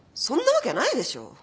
そんなわけないでしょ。